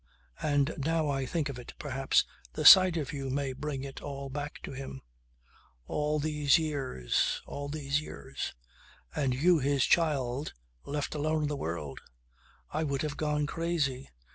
And now I think of it perhaps the sight of you may bring it all back to him. All these years, all these years and you his child left alone in the world. I would have gone crazy.